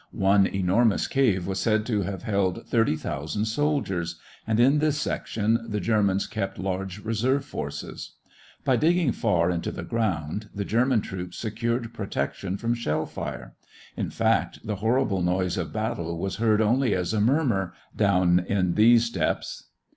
One enormous cave was said to have held thirty thousand soldiers, and in this section the Germans kept large reserve forces. By digging far into the ground, the German troops secured protection from shell fire; in fact, the horrible noise of battle was heard only as a murmur, down in these depths.